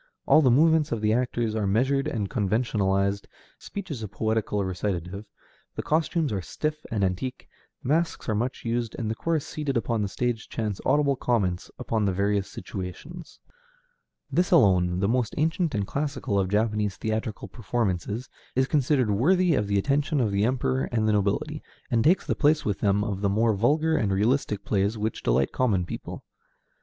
All the movements of the actors are measured and conventionalized, speech is a poetical recitative, the costumes are stiff and antique, masks are much used, and a chorus seated upon the stage chants audible comments upon the various situations. This alone, the most ancient and classical of Japanese theatrical performances, is considered worthy of the attention of the Emperor and the nobility, and takes the place with them of the more vulgar and realistic plays which delight common people.